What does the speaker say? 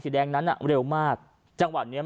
หญิงบอกว่าจะเป็นพี่ปวกหญิงบอกว่าจะเป็นพี่ปวก